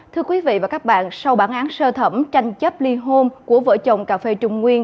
thưa quý vị và các bạn sau bản án sơ thẩm tranh chấp ly hôn của vợ chồng cà phê trung nguyên